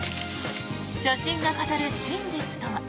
写真が語る真実とは？